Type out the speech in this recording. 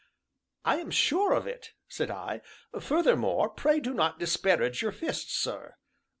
"I am sure of it!" said I. "Furthermore, pray do not disparage your fists, sir.